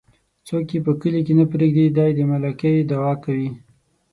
څوک يې په کلي کې نه پرېږدي ،دى د ملکۍ دعوه کوي.